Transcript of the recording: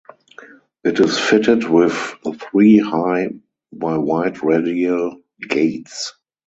It is fitted with three high by wide radial gates.